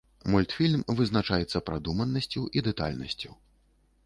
Мультфільм вызначаецца прадуманасцю і дэтальнасцю.